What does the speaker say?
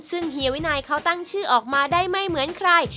ซึ่งเฮียวินัยเขาตั้งชื่อออกมาได้ไม่เหมือนใคร